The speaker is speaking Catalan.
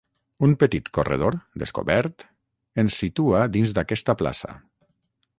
Un petit corredor, descobert, ens situa dins d'aquesta plaça.